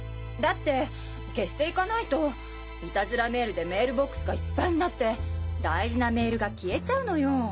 だって消していかないとイタズラメールでメールボックスがいっぱいになって大事なメールが消えちゃうのよ。